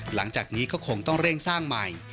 หลังจากนี้ก็คงต้องเร่งสร้างใหม่